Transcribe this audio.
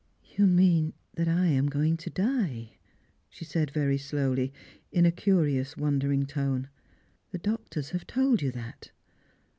" You mean that I am going to die," she said very slowly, ' a curious wondering tone ;" the doctors have told you that.